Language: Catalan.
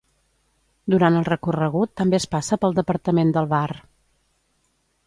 Durant el recorregut també es passa pel departament del Var.